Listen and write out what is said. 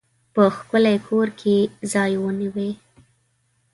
په ښکلي کور کې ځای ونیوی.